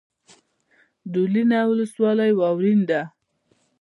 دولینه ولسوالۍ واورین ده؟